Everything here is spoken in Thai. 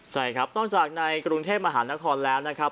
ใช่ครับนอกจากในกรุงเทพมหานครแล้วนะครับ